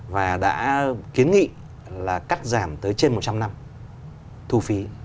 và đã kiến nghị là cắt giảm tới trên một trăm linh năm thu phí